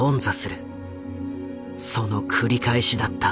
その繰り返しだった。